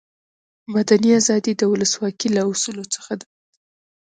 مدني آزادي د ولسواکي له اصولو څخه ده.